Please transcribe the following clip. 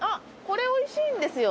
これおいしいんですよ。